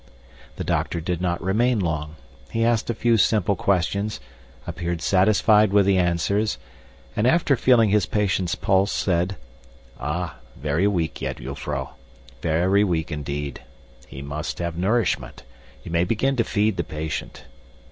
The doctor did not remain long. He asked a few simple questions, appeared satisfied with the answers, and after feeling his patient's pulse, said, "Ah, very weak yet, jufvrouw. Very weak, indeed. He must have nourishment. You may begin to feed the patient.